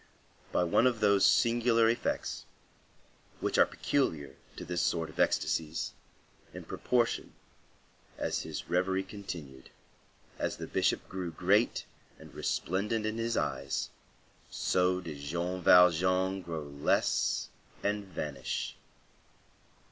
By one of those singular effects, which are peculiar to this sort of ecstasies, in proportion as his reverie continued, as the Bishop grew great and resplendent in his eyes, so did Jean Valjean grow less and vanish.